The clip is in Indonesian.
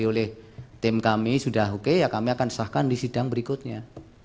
jadi oleh tim kami sudah oke ya kami akan sahkan di sidang berikutnya